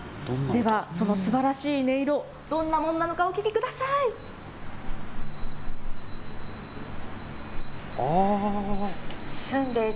では、そのすばらしい音色、どんなものなのかお聞きください。